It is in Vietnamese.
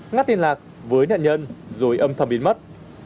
ngắt liên lạc với nạn nhân rồi âm thầm biến mất